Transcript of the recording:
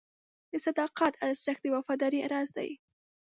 د صداقت ارزښت د وفادارۍ راز دی.